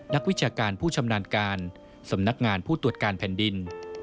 วิชาการผู้ชำนาญการสำนักงานผู้ตรวจการแผ่นดิน